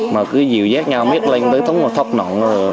mà cứ dìu dát nhau biết lên tới thúng mà thóp nọn